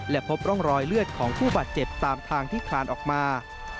และพบร่องรอยเลือดของผู้บาดเจ็บตามทางที่คลานออกมา